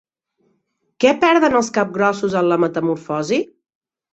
Què perden els capgrossos en la metamorfosi?